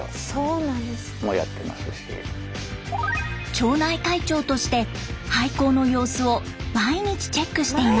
町内会長として廃校の様子を毎日チェックしています。